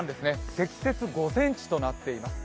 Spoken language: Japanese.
積雪、５ｃｍとなっています。